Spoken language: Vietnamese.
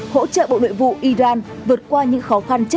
hỗ trợ bộ nội vụ iran vượt qua những khó khăn